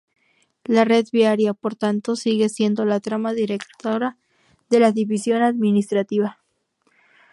La red viaria, por tanto, sigue siendo la trama directora de la división administrativa.